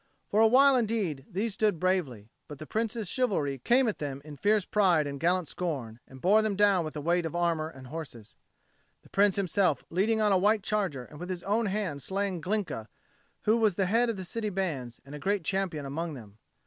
For a while indeed these stood bravely; but the Prince's chivalry came at them in fierce pride and gallant scorn, and bore them down with the weight of armour and horses, the Prince himself leading on a white charger and with his own hand slaying Glinka, who was head of the city bands and a great champion among them.